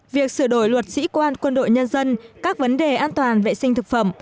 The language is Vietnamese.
việc sửa đổi luật sĩ quan quân đội nhân dân các vấn đề an toàn vệ sinh thực phẩm